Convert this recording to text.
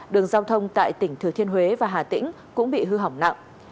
đường giao thông tại tỉnh thừa thiên huế và hà tĩnh cũng bị hư hỏng nặng